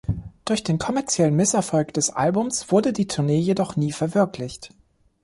Durch den kommerziellen Misserfolg des Albums wurde die Tournee jedoch nie verwirklicht.